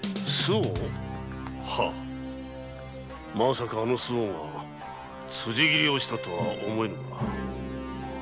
まさかあの周防が辻斬りをしたとは思えぬが。